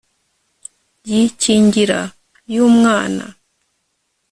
yi kingira yu mwana